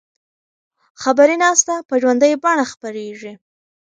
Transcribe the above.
خبري ناسته په ژوندۍ بڼه خپریږي.